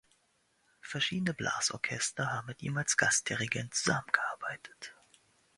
Verschiedene Blasorchester haben mit ihm als Gastdirigent zusammengearbeitet.